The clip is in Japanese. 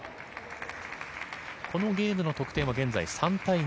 このゲームの得点は３対２。